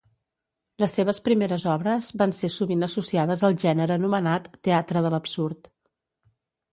Les seves primeres obres van ser sovint associades al gènere anomenat Teatre de l'absurd.